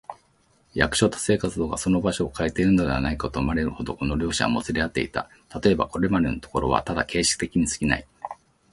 役所と生活とがその場所をかえているのではないか、と思われるほど、この両者はもつれ合っていた。たとえば、これまでのところはただ形式的にすぎない、